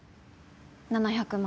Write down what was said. ７００万。